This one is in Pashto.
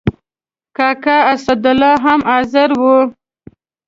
کاکا اسدالله هم حاضر و.